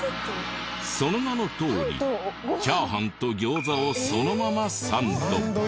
その名のとおりチャーハンと餃子をそのままサンド。